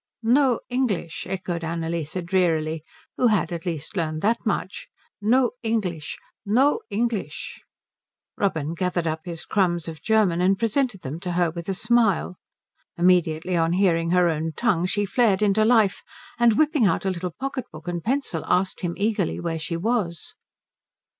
"No English," echoed Annalise drearily, who had at least learned that much, "no English, no English." Robin gathered up his crumbs of German and presented them to her with a smile. Immediately on hearing her own tongue she flared into life, and whipping out a little pocket book and pencil asked him eagerly where she was.